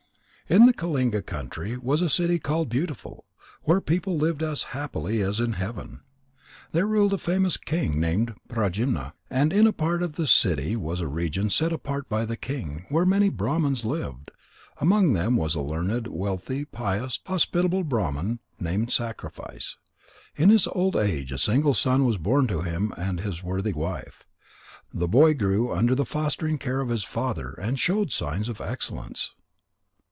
In the Kalinga country was a city called Beautiful, where people lived as happily as in heaven. There ruled a famous king named Pradyumna. And in a part of this city was a region set apart by the king, where many Brahmans lived. Among them was a learned, wealthy, pious, hospitable Brahman named Sacrifice. In his old age a single son was born to him and his worthy wife. The boy grew under the fostering care of his father, and showed signs of excellence.